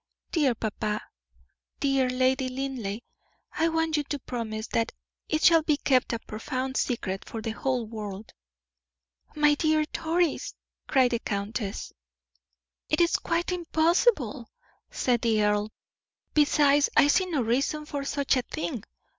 "Dear papa, dear Lady Linleigh, I want you to promise that it shall be kept a profound secret from the whole world." "My dear Doris!" cried the countess. "It is quite impossible," said the earl. "Besides, I see no reason for such a thing.